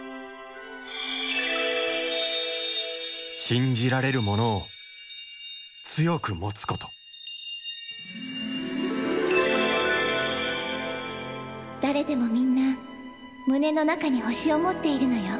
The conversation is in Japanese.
しんじられるものをつよくもつこと「誰でも皆胸の中に星を持っているのよ」。